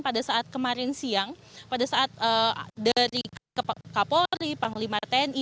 pada saat kemarin siang pada saat dari kapolri panglima tni